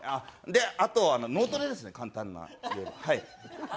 で、あと脳トレですね、簡単な。